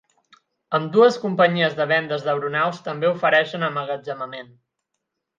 Ambdues companyies de vendes d'aeronaus també ofereixen emmagatzemament.